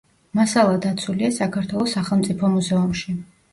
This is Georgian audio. მასალა დაცულია საქართველოს სახელმწიფო მუზეუმში.